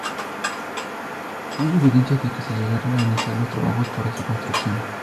No hay evidencias de que se llegaran a iniciar los trabajos para su construcción.